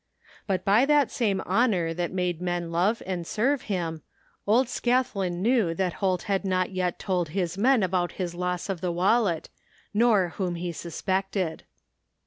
But by that same honor that made men love and serve him, old Scathlin knew that Holt had not yet told his men about his loss of the wallet, nor whom he suspected.